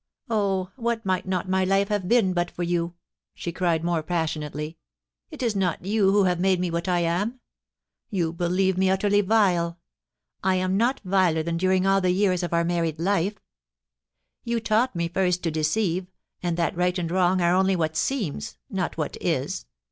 .. Oh, what might not my life have been but for you ? she cried, more passionately. ' Is it not you who have made me what I am ? You believe me utterly vile. I am not viler than during all the years of my married li^s. Yea taught me first to deceive, and that right and wrong are only what s^fms, not what is.